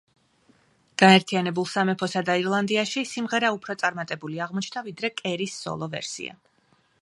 გაერთიანებულ სამეფოსა და ირლანდიაში სიმღერა უფრო წარმატებული აღმოჩნდა, ვიდრე კერის სოლო ვერსია.